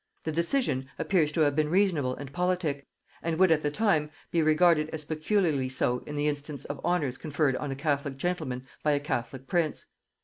The decision appears to have been reasonable and politic, and would at the time be regarded as peculiarly so in the instance of honors conferred on a catholic gentleman by a catholic prince.